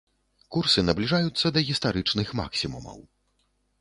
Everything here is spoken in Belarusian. Курсы набліжаюцца да гістарычных максімумаў.